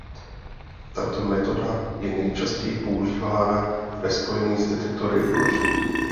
Tato metoda je nejčastěji používána ve spojení s detektory lži.